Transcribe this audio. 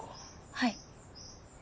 はい。